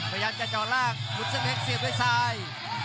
พยายามจะจอดล่างมุษมฮกเสียด้วยซ้าย